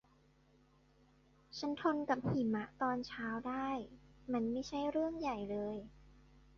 ฉันทนกับหิมะในตอนเช้าได้ มันไม่ใช่เรื่องใหญ่เลย